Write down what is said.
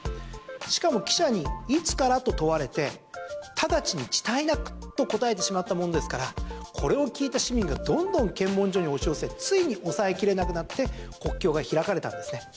しかも、記者にいつから？と問われて直ちに遅滞なくと答えてしまったものですからこれを聞いた市民がどんどん検問所に押し寄せついに抑え切れなくなって国境が開かれたんですね。